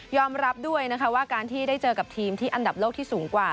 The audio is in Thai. รับด้วยนะคะว่าการที่ได้เจอกับทีมที่อันดับโลกที่สูงกว่า